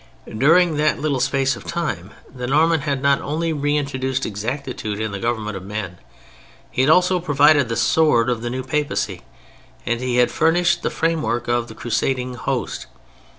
During that little space of time the Norman had not only reintroduced exactitude in the government of men, he had also provided the sword of the new Papacy and he had furnished the framework of the crusading host.